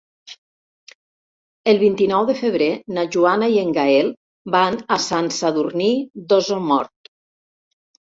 El vint-i-nou de febrer na Joana i en Gaël van a Sant Sadurní d'Osormort.